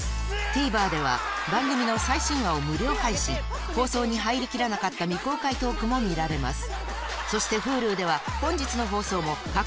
ＴＶｅｒでは番組の最新話を無料配信放送に入りきらなかった未公開トークも見られます